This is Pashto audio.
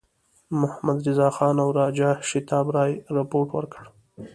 محمدرضاخان او راجا شیتاب رای رپوټ ورکړ.